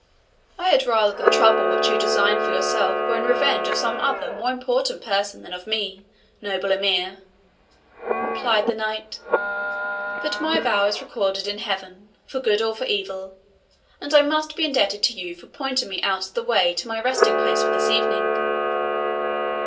"I had rather the trouble which you design for yourself were in revenge of some other more important person than of me, noble Emir," replied the Knight; "but my vow is recorded in heaven, for good or for evil, and I must be indebted to you for pointing me out the way to my resting place for this evening."